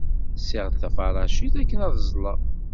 Ssiɣ-d taferracit akken ad ẓleɣ.